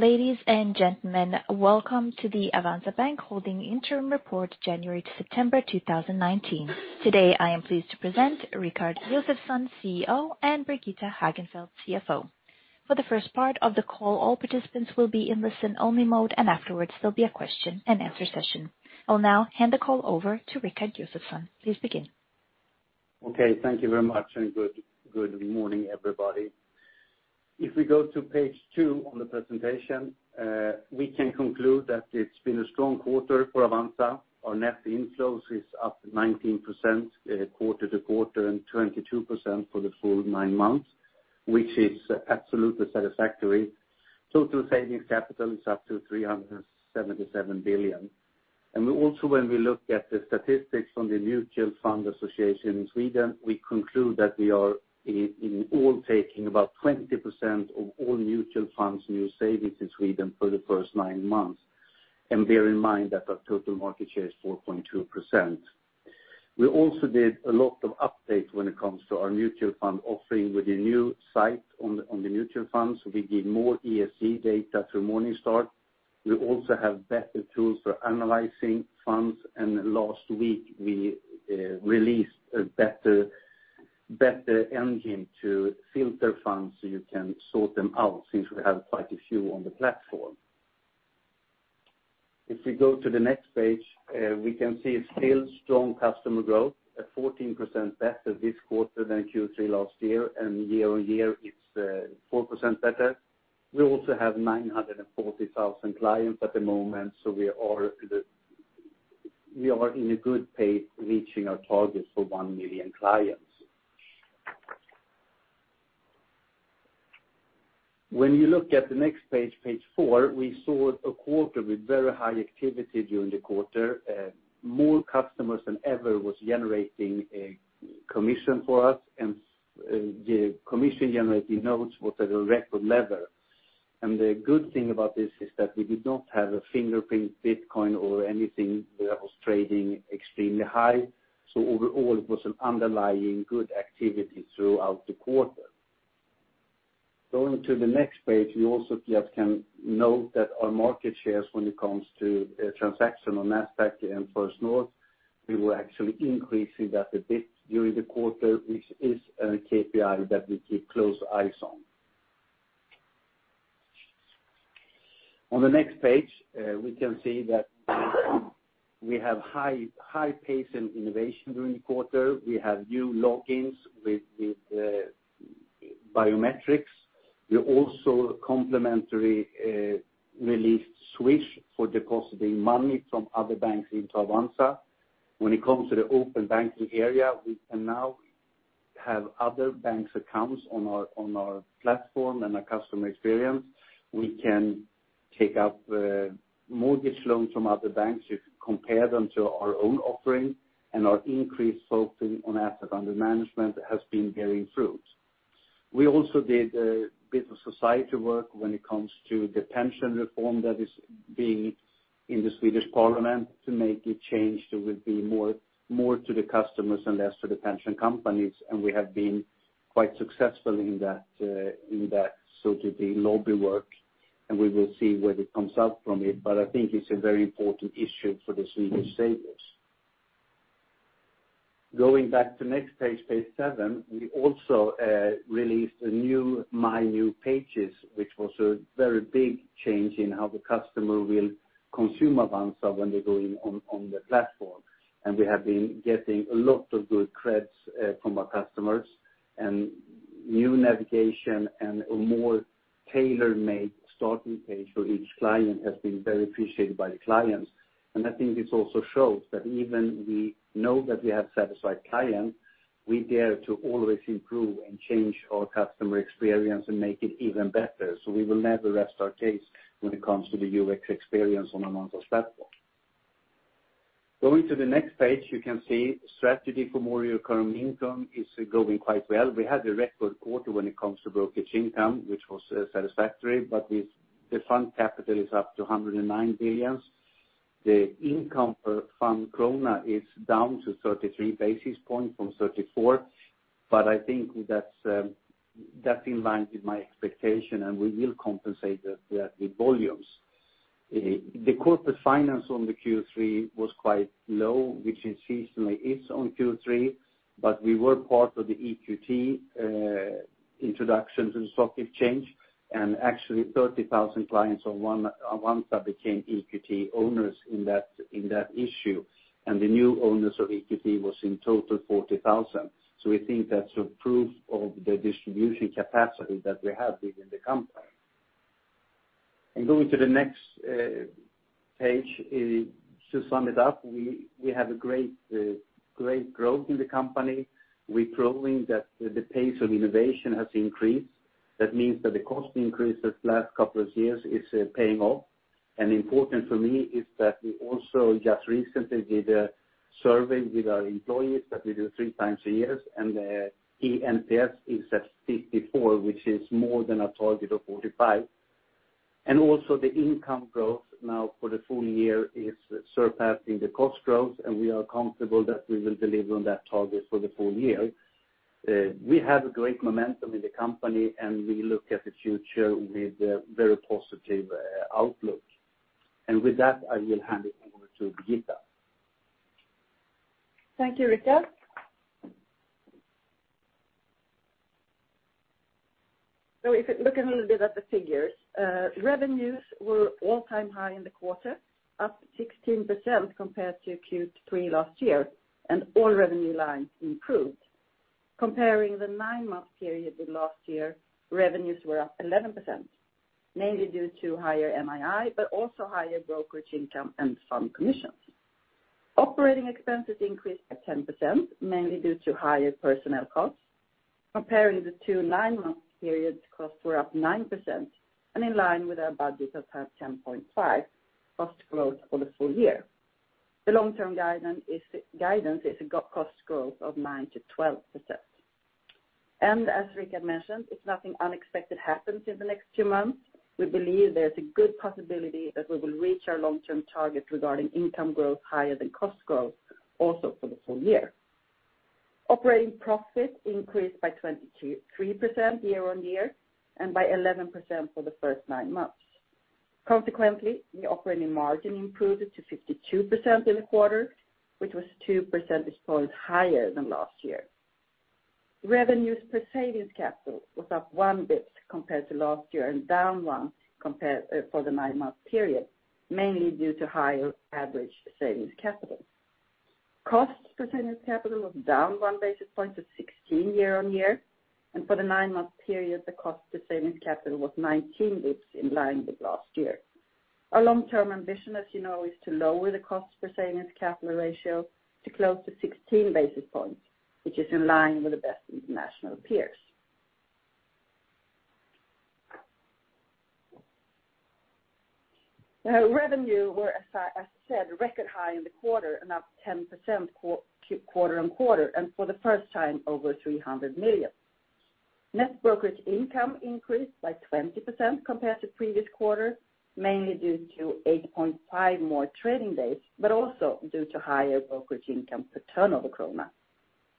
Ladies and gentlemen, welcome to the Avanza Bank Holding interim report, January to September 2019. Today, I am pleased to present Rikard Josefson, CEO, and Birgitta Hagenfeldt, CFO. For the first part of the call, all participants will be in listen only mode, and afterwards there'll be a question and answer session. I'll now hand the call over to Rikard Josefson. Please begin. Okay. Thank you very much, and good morning, everybody. If we go to page two on the presentation, we can conclude that it's been a strong quarter for Avanza. Our net inflows is up 19% quarter-to-quarter and 22% for the full nine months, which is absolutely satisfactory. Total savings capital is up to 377 billion. Also when we look at the statistics from the Swedish Investment Fund Association, we conclude that we are in all taking about 20% of all mutual funds, new savings in Sweden for the first nine months. Bear in mind that our total market share is 4.2%. We also did a lot of updates when it comes to our mutual fund offering with a new site on the mutual funds. We give more ESG data through Morningstar. We also have better tools for analyzing funds, and last week we released a better engine to filter funds so you can sort them out since we have quite a few on the platform. If we go to the next page, we can see still strong customer growth at 14% better this quarter than Q3 last year, and year-over-year it's 4% better. We also have 940,000 clients at the moment, so we are on a good pace reaching our target for 1 million clients. When you look at the next page four, we saw a quarter with very high activity during the quarter. More customers than ever was generating a commission for us and the commission generating notes was at a record level. The good thing about this is that we did not have a Fingerprint Cards Bitcoin or anything that was trading extremely high. Overall, it was an underlying good activity throughout the quarter. Going to the next page, we also just can note that our market shares when it comes to transaction on Nasdaq and First North, we were actually increasing that a bit during the quarter, which is a KPI that we keep close eyes on. On the next page, we can see that we have high pace and innovation during the quarter. We have new logins with biometrics. We also complementary released Swish for depositing money from other banks into Avanza. When it comes to the open banking area, we can now have other banks accounts on our platform and our customer experience. We can take up mortgage loans from other banks if we compare them to our own offering, and our increased focusing on asset under management has been bearing fruit. We also did a bit of society work when it comes to the pension reform that is being in the Swedish Parliament to make a change that will be more to the customers and less to the pension companies, and we have been quite successful in that so to the lobby work. We will see whether it comes out from it, but I think it's a very important issue for the Swedish savers. Going back to next page seven, we also released my new pages, which was a very big change in how the customer will consume Avanza when they're going on the platform. We have been getting a lot of good credits from our customers and new navigation and a more tailor-made starting page for each client has been very appreciated by the clients. I think this also shows that even we know that we have satisfied clients, we dare to always improve and change our customer experience and make it even better. We will never rest our case when it comes to the UX experience on Avanza platform. Going to the next page, you can see strategy for more recurring income is going quite well. We had a record quarter when it comes to brokerage income, which was satisfactory, but the fund capital is up to 109 billion. The income per fund krona is down to 33 basis points from 34, but I think that's in line with my expectation, and we will compensate that via the volumes. The corporate finance on the Q3 was quite low, which it seasonally is on Q3. We were part of the EQT introduction to the stock exchange. Actually 30,000 clients on Avanza became EQT owners in that issue. The new owners of EQT was in total 40,000. We think that's a proof of the distribution capacity that we have within the company. Going to the next page, to sum it up, we have a great growth in the company. We're proving that the pace of innovation has increased. That means that the cost increase the last couple of years is paying off. Important for me is that we also just recently did a survey with our employees that we do three times a year. The eNPS is at 54, which is more than our target of 45. Also the income growth now for the full year is surpassing the cost growth, and we are comfortable that we will deliver on that target for the full year. We have a great momentum in the company, and we look at the future with a very positive outlook. With that, I will hand it over to Birgitta. Thank you, Rikard. If you look a little bit at the figures, revenues were all-time high in the quarter, up 16% compared to Q3 last year, and all revenue lines improved. Comparing the nine-month period with last year, revenues were up 11%, mainly due to higher MII, but also higher brokerage income and fund commissions. Operating expenses increased by 10%, mainly due to higher personnel costs. Comparing the two nine-month periods, costs were up 9% and in line with our budget of 10.5% cost growth for the full year. The long-term guidance is a cost growth of 9%-12%. As Rikard mentioned, if nothing unexpected happens in the next two months, we believe there's a good possibility that we will reach our long-term target regarding income growth higher than cost growth also for the full year. Operating profit increased by 23% year-on-year and by 11% for the first nine months. Consequently, the operating margin improved to 52% in the quarter, which was 2 percentage points higher than last year. Revenues per savings capital was up one basis point compared to last year and down one for the nine-month period, mainly due to higher average savings capital. Costs per savings capital was down one basis point to 16 year-on-year, and for the nine-month period, the cost to savings capital was 19 basis points, in line with last year. Our long-term ambition, as you know, is to lower the cost per savings capital ratio to close to 16 basis points, which is in line with the best international peers. Revenue were, as said, record high in the quarter and up 10% quarter-on-quarter, and for the first time over 300 million. Net brokerage income increased by 20% compared to previous quarter, mainly due to 8.5 more trading days, but also due to higher brokerage income per turnover krona.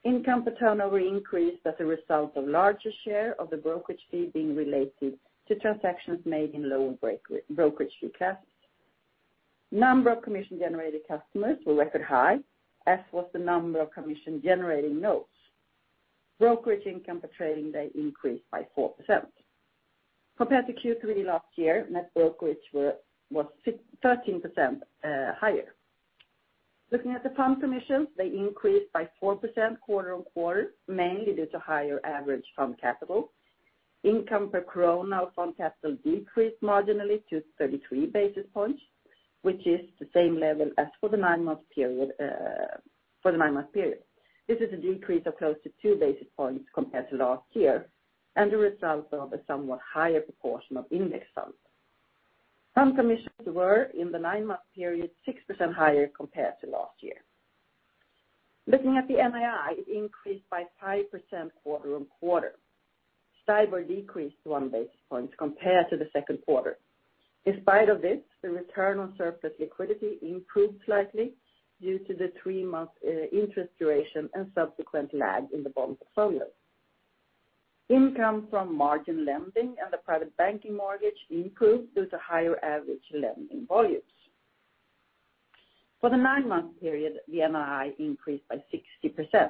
Income per turnover increased as a result of larger share of the brokerage fee being related to transactions made in lower brokerage fee caps. Number of commission-generating customers were record high, as was the number of commission-generating notes. Brokerage income per trading day increased by 4%. Compared to Q3 last year, net brokerage was 13% higher. Looking at the fund commissions, they increased by 4% quarter-on-quarter, mainly due to higher average fund capital. Income per krona on fund capital decreased marginally to 33 basis points, which is the same level as for the nine-month period. This is a decrease of close to two basis points compared to last year and a result of a somewhat higher proportion of index funds. Fund commissions were, in the nine-month period, 6% higher compared to last year. Looking at the MII, it increased by 5% quarter-on-quarter. STIBOR decreased one basis point compared to the second quarter. In spite of this, the return on surplus liquidity improved slightly due to the three-month interest duration and subsequent lag in the bond portfolio. Income from margin lending and the Private Banking mortgage improved due to higher average lending volumes. For the nine-month period, the MII increased by 60%.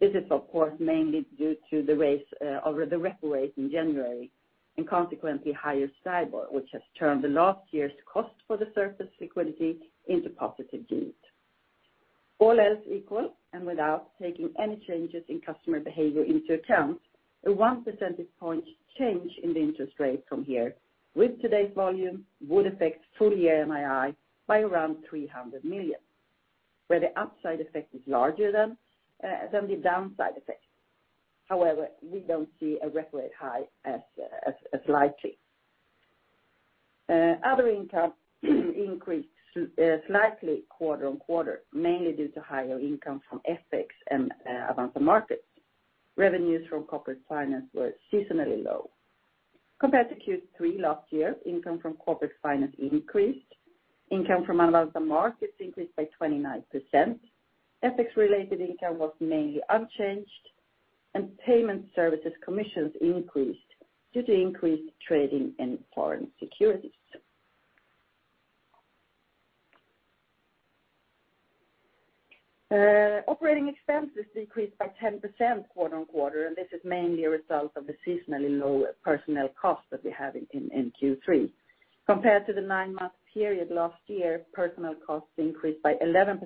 This is of course mainly due to the repo rate in January and consequently higher STIBOR, which has turned the last year's cost for the surplus liquidity into positive yield. All else equal, and without taking any changes in customer behavior into account, a one percentage point change in the interest rate from here with today's volume would affect full-year MII by around 300 million, where the upside effect is larger than the downside effect. However, we don't see a repo rate high as likely. Other income increased slightly quarter-on-quarter, mainly due to higher income from FX and Avanza Markets. Revenues from corporate finance were seasonally low. Compared to Q3 last year, income from corporate finance increased, income from Avanza Markets increased by 29%, FX-related income was mainly unchanged, and payment services commissions increased due to increased trading in foreign securities. Operating expenses decreased by 10% quarter-on-quarter, and this is mainly a result of the seasonally low personnel costs that we had in Q3. Compared to the nine-month period last year, personnel costs increased by 11%,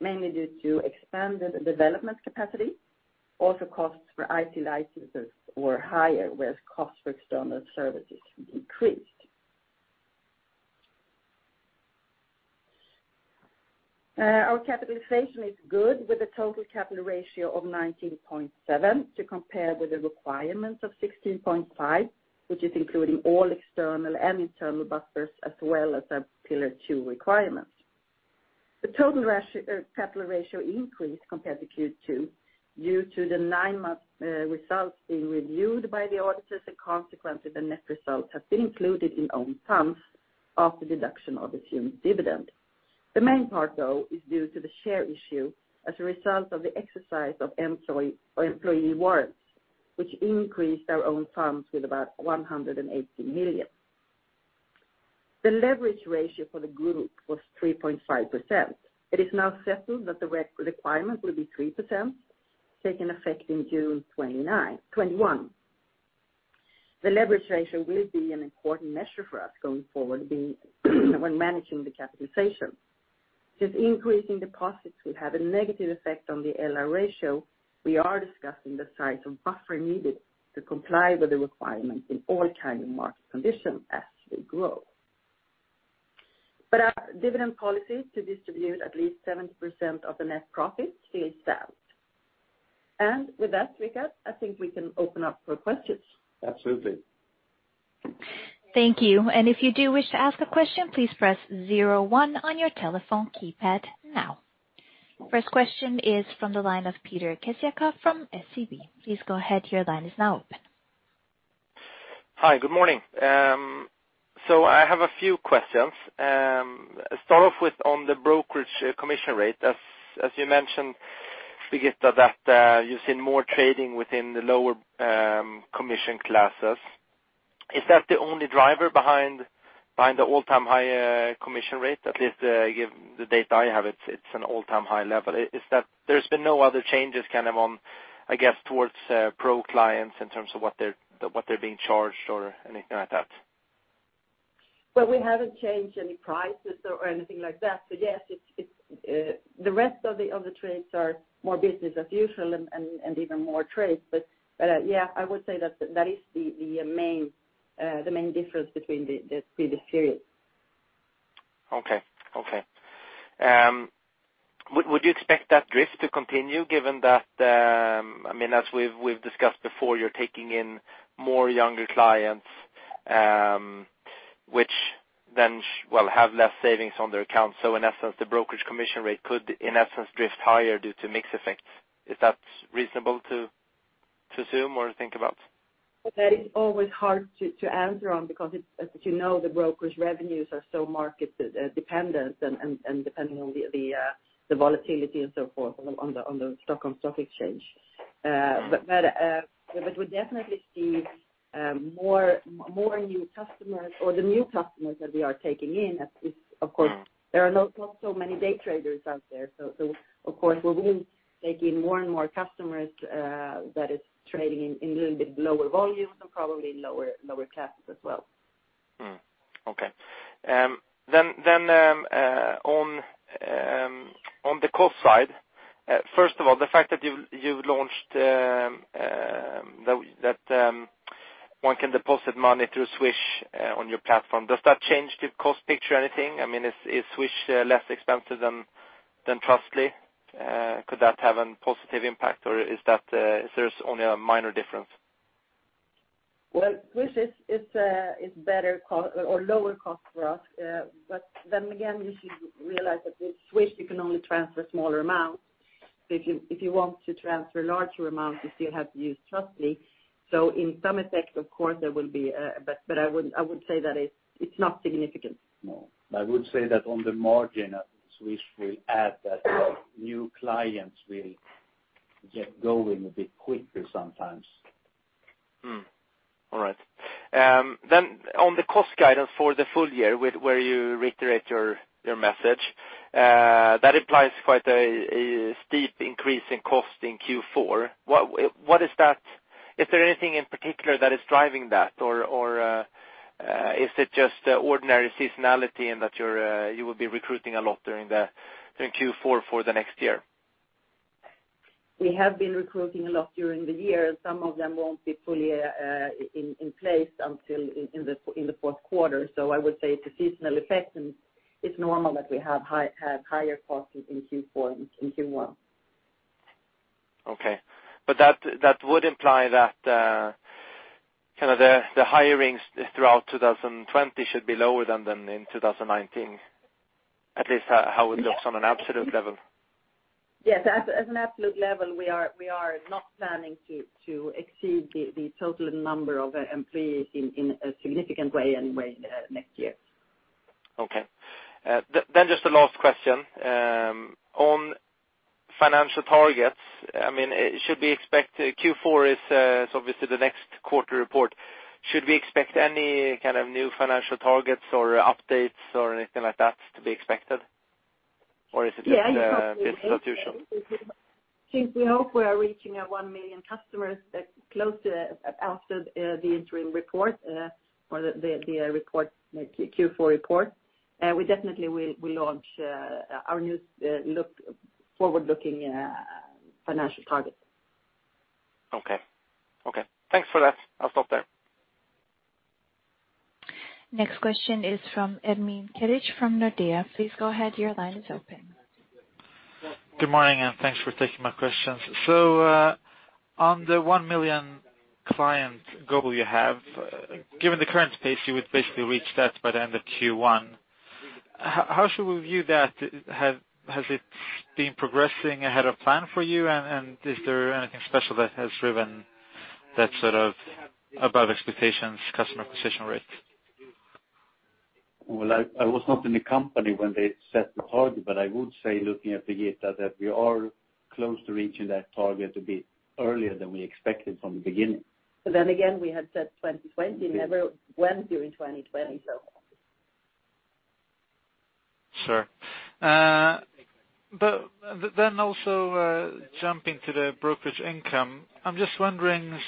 mainly due to expanded development capacity. Also, costs for IT licenses were higher, whereas costs for external services decreased. Our capitalization is good, with a total capital ratio of 19.7 to compare with the requirements of 16.5, which is including all external and internal buffers as well as our Pillar 2 requirements. The total capital ratio increased compared to Q2 due to the nine-month results being reviewed by the auditors and consequently the net results have been included in own funds after deduction of assumed dividend. The main part, though, is due to the share issue as a result of the exercise of employee warrants, which increased our own funds with about 180 million. The leverage ratio for the group was 3.5%. It is now settled that the requirement will be 3%, taking effect in June 2021. The leverage ratio will be an important measure for us going forward when managing the capitalization. Since increasing deposits will have a negative effect on the LR ratio, we are discussing the size of buffering needed to comply with the requirements in all kind of market conditions as we grow. Our dividend policy to distribute at least 70% of the net profit stays sound. With that, Birgit, I think we can open up for questions. Absolutely. Thank you. If you do wish to ask a question, please press 01 on your telephone keypad now. First question is from the line of Peter Kopecky from SEB. Please go ahead, your line is now open. Hi, good morning. I have a few questions. Start off with on the brokerage commission rate. As you mentioned, Birgitta, that you've seen more trading within the lower commission classes. Is that the only driver behind the all-time high commission rate? At least given the data I have, it's an all-time high level. There's been no other changes on, I guess, towards pro clients in terms of what they're being charged or anything like that? Well, we haven't changed any prices or anything like that. Yes, the rest of the trades are more business as usual and even more trades. Yeah, I would say that is the main difference between the previous periods. Okay. Would you expect that drift to continue, given that, as we've discussed before, you're taking in more younger clients, which then will have less savings on their accounts? In essence, the brokerage commission rate could, in essence, drift higher due to mix effects. Is that reasonable to assume or think about? That is always hard to answer on because as you know, the brokerage revenues are so market-dependent and dependent on the volatility and so forth on the Stockholm Stock Exchange. We definitely see more new customers or the new customers that we are taking in. Of course, there are not so many day traders out there. Of course, we will take in more and more customers that is trading in little bit lower volumes and probably lower classes as well. Okay. On the cost side, first of all, the fact that you've launched that one can deposit money through Swish on your platform. Does that change the cost picture anything? I mean, is Swish less expensive than Trustly? Could that have a positive impact, or is there only a minor difference? Swish is better or lower cost for us. Then again, you should realize that with Swish, you can only transfer smaller amounts. If you want to transfer larger amounts, you still have to use Trustly. In some effect, of course there will be, but I would say that it's not significant. No. I would say that on the margin, Swish will add that new clients will get going a bit quicker sometimes. All right. On the cost guidance for the full year, where you reiterate your message, that implies quite a steep increase in cost in Q4. Is there anything in particular that is driving that, or is it just ordinary seasonality and that you will be recruiting a lot during Q4 for the next year? We have been recruiting a lot during the year, and some of them won't be fully in place until in the fourth quarter. I would say it's a seasonal effect, and it's normal that we have higher costs in Q4 and in Q1. Okay. That would imply that the hirings throughout 2020 should be lower than in 2019, at least how it looks on an absolute level. Yes. As an absolute level, we are not planning to exceed the total number of employees in a significant way anyway next year. Just the last question. On financial targets, Q4 is obviously the next quarter report. Should we expect any kind of new financial targets or updates or anything like that to be expected? Yeah, exactly. business as usual? Since we hope we are reaching our 1 million customers close to after the interim report or the Q4 report, we definitely will launch our new forward-looking financial targets. Okay. Thanks for that. I'll stop there. Next question is from Ermin Keric from Nordea. Please go ahead, your line is open. Good morning. Thanks for taking my questions. On the 1 million client goal you have, given the current pace, you would basically reach that by the end of Q1. How should we view that? Has it been progressing ahead of plan for you? Is there anything special that has driven that's above expectations, customer acquisition rates. Well, I was not in the company when they set the target, but I would say looking at the year that we are close to reaching that target a bit earlier than we expected from the beginning. We had said 2020, never went during 2020. Sure. Also jumping to the brokerage income. I'm just wondering,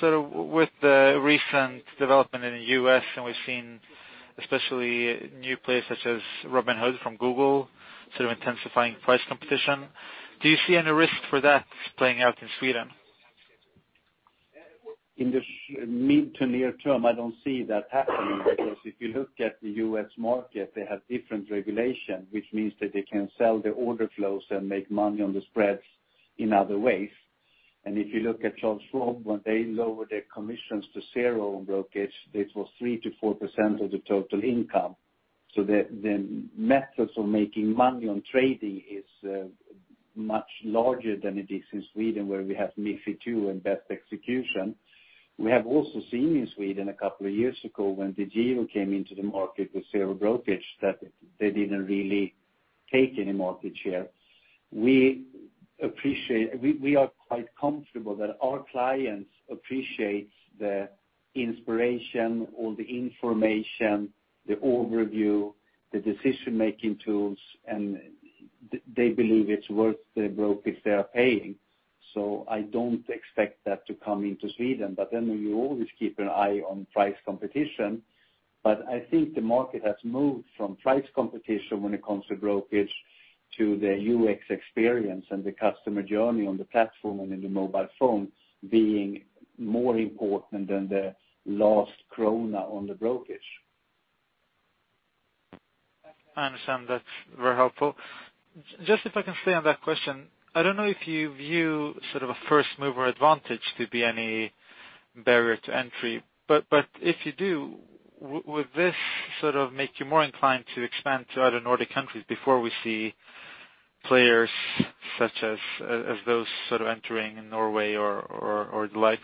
with the recent development in the U.S. and we've seen especially new players such as Robinhood from Google intensifying price competition, do you see any risk for that playing out in Sweden? In the mid to near term, I don't see that happening because if you look at the U.S. market, they have different regulation, which means that they can sell their order flows and make money on the spreads in other ways. If you look at Charles Schwab, when they lowered their commissions to zero on brokerage, it was 3%-4% of the total income. The methods of making money on trading is much larger than it is in Sweden, where we have MiFID II and best execution. We have also seen in Sweden a couple of years ago when DEGIRO came into the market with zero brokerage that they didn't really take any market share. We are quite comfortable that our clients appreciate the inspiration or the information, the overview, the decision-making tools, and they believe it's worth the brokerage they are paying. I don't expect that to come into Sweden. You always keep an eye on price competition. I think the market has moved from price competition when it comes to brokerage to the UX experience and the customer journey on the platform and in the mobile phone being more important than the last SEK on the brokerage. I understand. That's very helpful. Just if I can stay on that question. I don't know if you view a first-mover advantage to be any barrier to entry, but if you do, would this make you more inclined to expand to other Nordic countries before we see players such as those entering in Norway or the likes?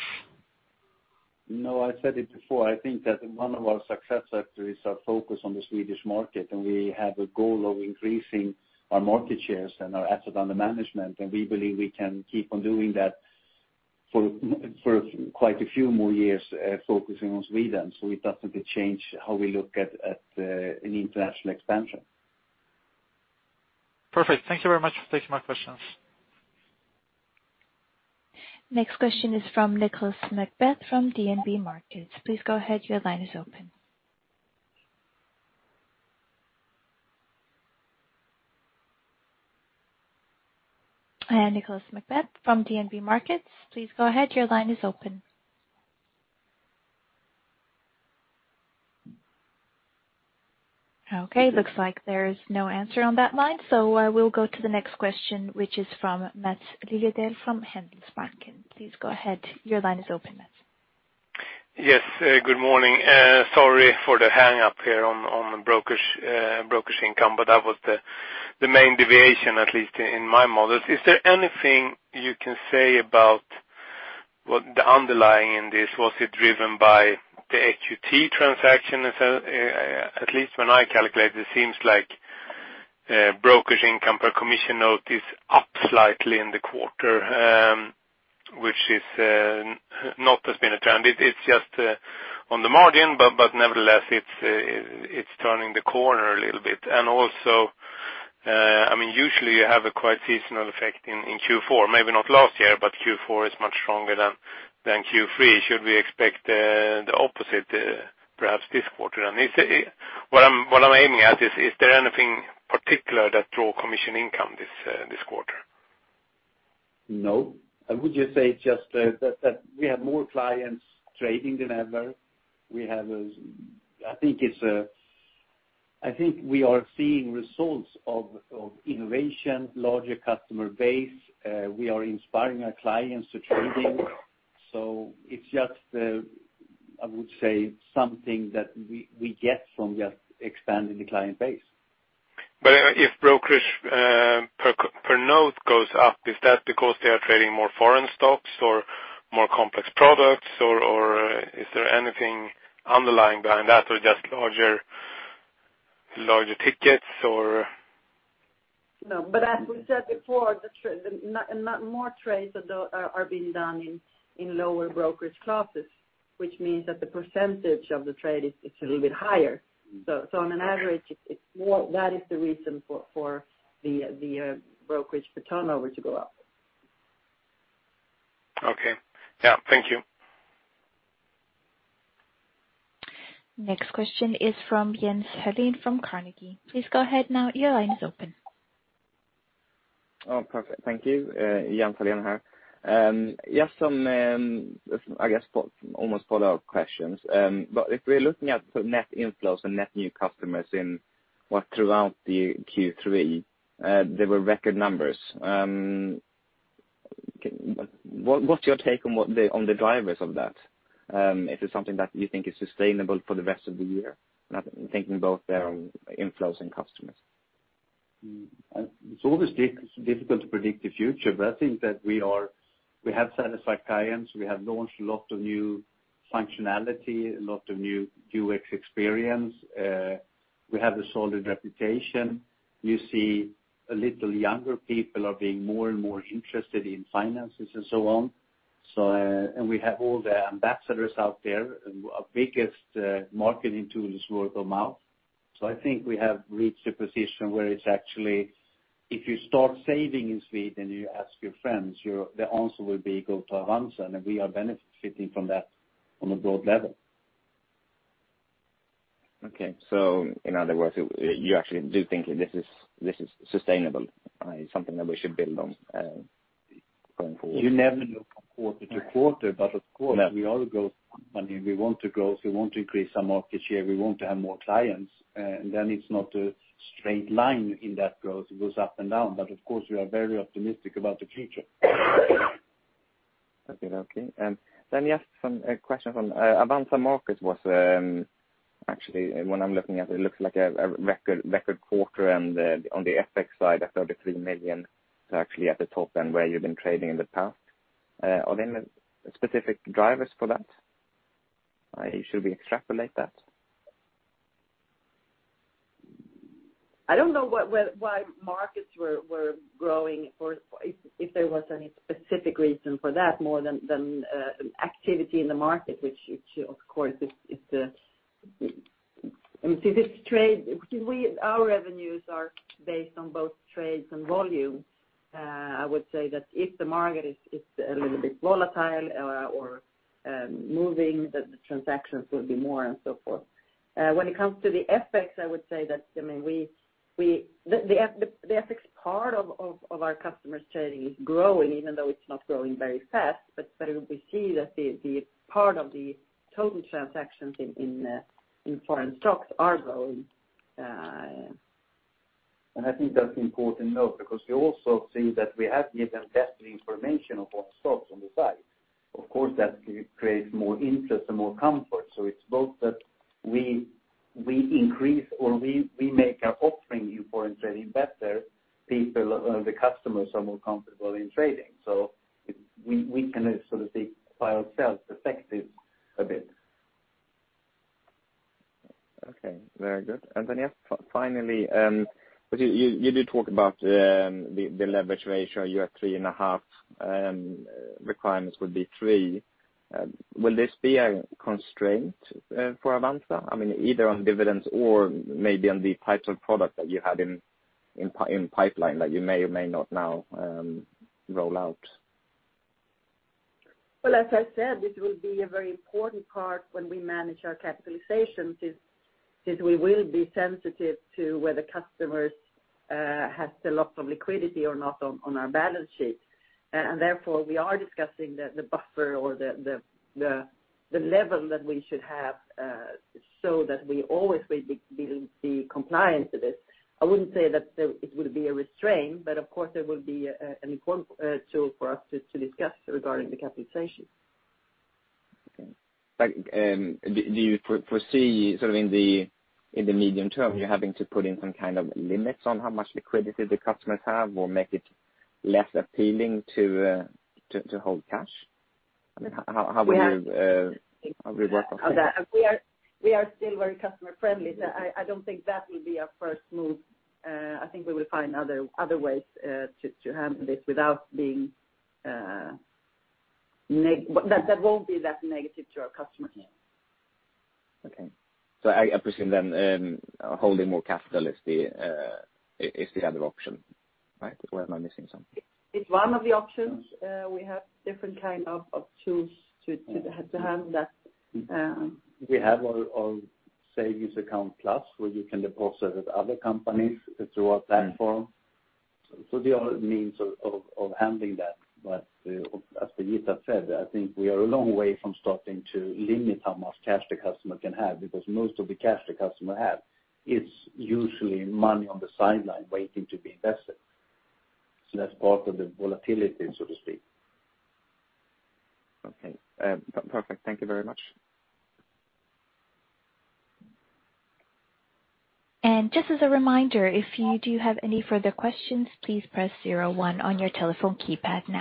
No, I said it before, I think that one of our success factors is our focus on the Swedish market, and we have a goal of increasing our market shares and our assets under management, and we believe we can keep on doing that for quite a few more years, focusing on Sweden. It doesn't change how we look at an international expansion. Perfect. Thank you very much for taking my questions. Next question is from Nicolas McBeath from DNB Markets. Please go ahead. Your line is open. Nicolas McBeath from DNB Markets, please go ahead. Your line is open. Looks like there is no answer on that line, so I will go to the next question, which is from Mats Lilliedahl from Handelsbanken. Please go ahead. Your line is open, Mats. Yes. Good morning. Sorry for the hang-up here on the brokerage income, but that was the main deviation, at least in my models. Is there anything you can say about what the underlying in this? Was it driven by the EQT transaction? At least when I calculate it seems like brokerage income per commission note is up slightly in the quarter, which has not been a trend. It's just on the margin, but nevertheless, it's turning the corner a little bit. Also, usually you have a quite seasonal effect in Q4, maybe not last year, but Q4 is much stronger than Q3. Should we expect the opposite perhaps this quarter? What I'm aiming at is there anything particular that drove commission income this quarter? No. I would just say just that we have more clients trading than ever. I think we are seeing results of innovation, larger customer base. We are inspiring our clients to trading. It's just, I would say, something that we get from just expanding the client base. If brokerage per note goes up, is that because they are trading more foreign stocks or more complex products, or is there anything underlying behind that or just larger tickets or? As we said before, more trades are being done in lower brokerage classes, which means that the percentage of the trade is a little bit higher. On an average, that is the reason for the brokerage turnover to go up. Okay. Yeah. Thank you. Next question is from Jens Hallén from Carnegie. Please go ahead now, your line is open. Oh, perfect. Thank you. Jens Hallén here. Just some, I guess, almost follow-up questions. If we're looking at net inflows and net new customers in what throughout the Q3, there were record numbers. What's your take on the drivers of that? If it's something that you think is sustainable for the rest of the year, thinking both their inflows and customers It's always difficult to predict the future. I think that we have satisfied clients. We have launched a lot of new functionality and a lot of new UX experience. We have a solid reputation. You see a little younger people are being more and more interested in finances and so on. We have all the ambassadors out there, and our biggest marketing tool is word of mouth. I think we have reached a position where it's actually, if you start saving in Sweden, you ask your friends, the answer will be go to Avanza, and we are benefiting from that on a broad level. Okay. In other words, you actually do think this is sustainable, something that we should build on going forward. You never know from quarter to quarter. Of course, we are growth company and we want to grow. We want to increase our market share, we want to have more clients. It's not a straight line in that growth. It goes up and down. Of course, we are very optimistic about the future. Okay. Yes, some questions on Avanza Markets was actually, when I'm looking at it looks like a record quarter on the FX side at 33 million, so actually at the top end where you've been trading in the past. Are there specific drivers for that? Should we extrapolate that? I don't know why markets were growing, or if there was any specific reason for that more than activity in the market. Our revenues are based on both trades and volume. I would say that if the market is a little bit volatile or moving, the transactions will be more and so forth. When it comes to the FX, I would say that the FX part of our customers trading is growing even though it's not growing very fast, but we see that the part of the total transactions in foreign stocks are growing. I think that's important note, because we also see that we have given better information of what stocks on the side. Of course, that creates more interest and more comfort. It's both that we increase or we make our offering in foreign trading better, the customers are more comfortable in trading. We can sort of see by ourselves the effect is a bit. Okay. Very good. Yeah, finally, you do talk about the leverage ratio. You are 3.5, requirements would be 3. Will this be a constraint for Avanza? Either on dividends or maybe on the types of product that you had in pipeline that you may or may not now roll out? Well, as I said, it will be a very important part when we manage our capitalizations, since we will be sensitive to whether customers have a lot of liquidity or not on our balance sheets. Therefore, we are discussing the buffer or the level that we should have, so that we always will be compliant to this. I wouldn't say that it will be a restraint, but of course, it will be an important tool for us to discuss regarding the capitalization. Okay. Do you foresee in the medium term, you're having to put in some kind of limits on how much liquidity the customers have or make it less appealing to hold cash? How will you work on that? We are still very customer friendly. I don't think that will be our first move. I think we will find other ways to handle this. That won't be that negative to our customers. Okay. I presume then holding more capital is the other option, right? Or am I missing something? It's one of the options. We have different kind of tools to handle that. We have our Sparkonto+, where you can deposit with other companies through our platform. There are means of handling that. As Birgitta said, I think we are a long way from starting to limit how much cash the customer can have, because most of the cash the customer have is usually money on the sideline waiting to be invested. That's part of the volatility, so to speak. Okay. Perfect. Thank you very much. Just as a reminder, if you do have any further questions, please press zero one on your telephone keypad now.